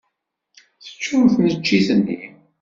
Teččuṛ tneččit-nni.